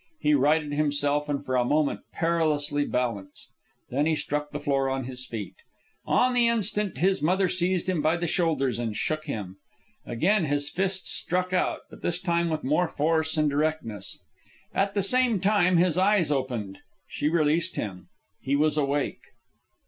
He righted himself and for a moment perilously balanced. Then he struck the floor on his feet. On the instant his mother seized him by the shoulders and shook him. Again his fists struck out, this time with more force and directness. At the same time his eyes opened. She released him. He was awake.